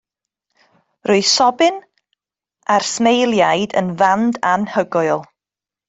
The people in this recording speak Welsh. Roedd Sobyn a'r Smeiliaid yn fand anhygoel.